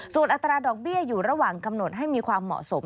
ส่วนอัตราดอกเบี้ยอยู่ระหว่างกำหนดให้มีความเหมาะสม